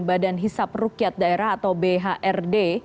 badan hisap rukyat daerah atau bhrd